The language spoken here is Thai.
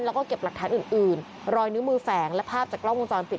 แล้วก็เก็บหลักฐานอื่นรอยนิ้วมือแฝงและภาพจากกล้องวงจรปิด